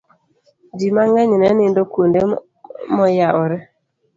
ji mang'eny ne nindo kuonde moyawore